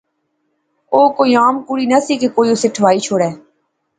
او کوئی ام کڑی نہسی کہ کوئی اس ٹھوائی شوڑے